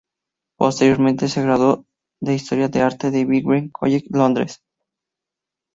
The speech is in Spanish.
Posteriormente se graduó en historia del arte en el Birkbeck College de Londres.